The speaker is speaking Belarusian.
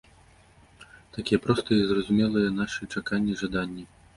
Такія простыя і зразумелыя нашы чаканні-жаданні.